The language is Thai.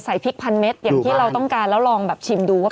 พริกพันเม็ดอย่างที่เราต้องการแล้วลองแบบชิมดูว่า